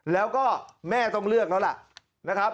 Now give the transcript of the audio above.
แล้วก็แม่ต้องเลือกแล้วล่ะนะครับ